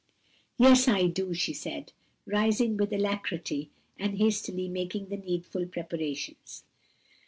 "Yes, I do," she said, rising with alacrity and hastily making the needful preparations.